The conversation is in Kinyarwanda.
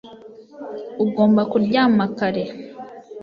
Ugomba kuryama kare